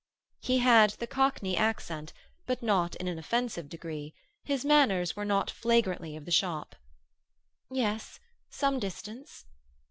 He had the Cockney accent, but not in an offensive degree; his manners were not flagrantly of the shop. "Yes; some distance."